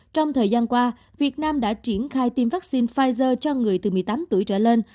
trong thời gian qua việt nam đã triển khai tiêm vaccine pfizer cho người từ một mươi tám tuổi trở lên